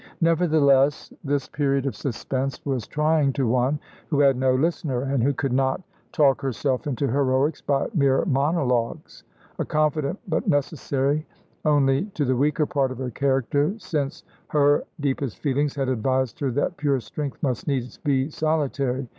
Nevertheless, this period of suspense was trying to one who had no listener, and who could not talk herself into heroics by mere monologues. A confidant was necessary only to the weaker part of her character, since her deepest feelings advised her that pure strength must needs be solitary.